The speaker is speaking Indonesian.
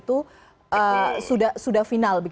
atau sudah final